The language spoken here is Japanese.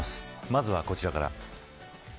まずはこちらから。